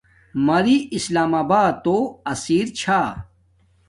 میری اسلام ابات تو آسیر چھا